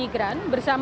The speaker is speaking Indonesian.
klan gran gran